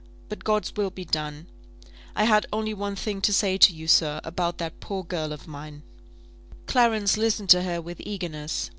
But God's will be done. I had only one thing to say to you, sir, about that poor girl of mine " Clarence listened to her with eagerness.